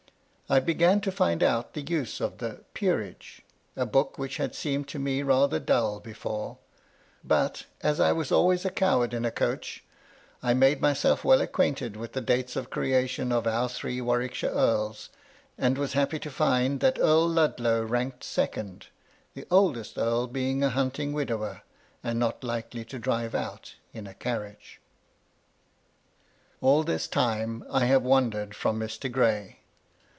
I began to find out the use of the Peerage," a book which had seemed to me rather dull before ; but, as I was always a coward in a coach, I made myself well acquainted with the dates of creation of our three Warwickshire earls, and was happy to find that Earl Ludlow ranked second, the oldest earl being a hunting widower, and not likely to drive out in a carriage. 44 MY LADY LUDLOW. All this time I have wandered from Mr. Gray.